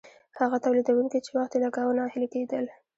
هغه تولیدونکي چې وخت یې لګاوه ناهیلي کیدل.